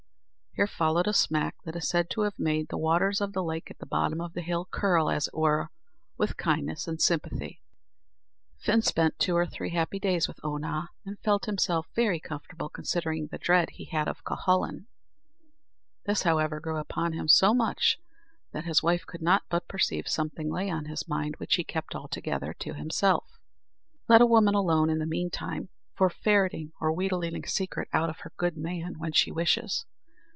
Here followed a smack that is said to have made the waters of the lake at the bottom of the hill curl, as it were, with kindness and sympathy. Fin spent two or three happy days with Oonagh, and felt himself very comfortable, considering the dread he had of Cuhullin. This, however, grew upon him so much that his wife could not but perceive something lay on his mind which he kept altogether to himself. Let a woman alone, in the meantime, for ferreting or wheedling a secret out of her good man, when she wishes.